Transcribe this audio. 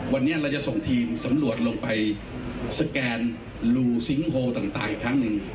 วันนี้เราจะส่งทีมสำหรับลวดลงไปสแกนลูสิงโฮต่างครั้งหนึ่ง